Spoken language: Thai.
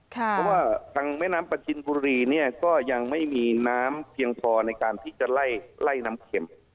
เพราะว่าทางแม่น้ำประจินบุรีเนี่ยก็ยังไม่มีน้ำเพียงพอในการที่จะไล่น้ำเข็ม